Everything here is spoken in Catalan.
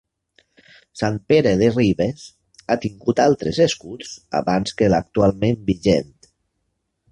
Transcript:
Sant Pere de Ribes ha tingut altres escuts abans que l'actualment vigent.